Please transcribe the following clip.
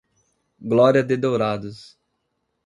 Glória de Dourados